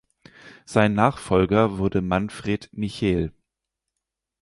Sein Nachfolger wurde Manfred Michel.